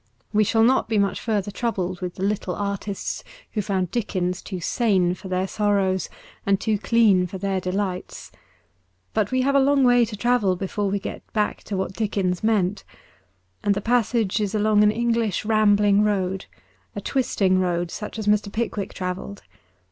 We shall not be much further troubled with the little artists who found Dickens too sane for their sorrows and too clean for their delights. But we have a long way to travel before we get back to what Dickens meant ; and the passage is along an English rambling road — a twisting road such as Mr. Pickwick travelled.